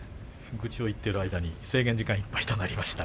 愚痴を言っている間に制限時間いっぱいとなりました。